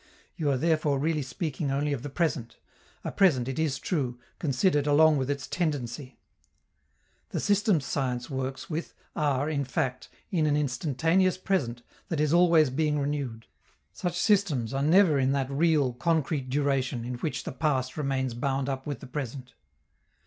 You are therefore really speaking only of the present a present, it is true, considered along with its tendency. The systems science works with are, in fact, in an instantaneous present that is always being renewed; such systems are never in that real, concrete duration in which the past remains bound up with the present.